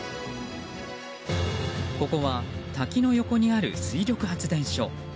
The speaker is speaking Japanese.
ここは滝の横にある水力発電所。